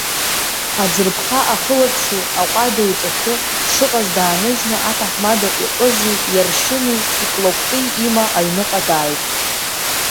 Аӡырԥха ахылаԥшҩы аҟәада иҿашәы дшыҟаз дааныжьны аҭаҳмада иҟызи иаршьыни иклакәти има аҩныҟа дааит.